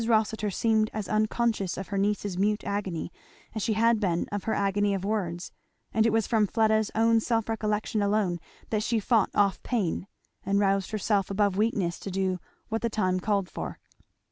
Rossitur seemed as unconscious of her niece's mute agony as she had been of her agony of words; and it was from Fleda's own self recollection alone that she fought off pain and roused herself above weakness to do what the time called for.